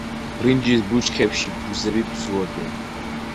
ბრინჯის ბუჩქებში ბუზები ბზუოდნენ.